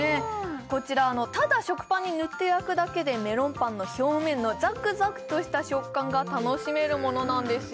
こちらただ食パンにぬって焼くだけでメロンパンの表面のザクザクとした食感が楽しめるものなんですよ